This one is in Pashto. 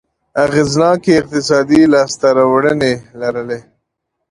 اغېزناکې اقتصادي لاسته راوړنې لرلې.